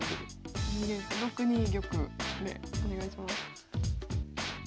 ６二玉でお願いします。